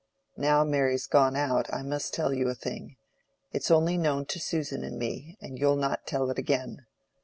Now Mary's gone out, I must tell you a thing—it's only known to Susan and me, and you'll not tell it again.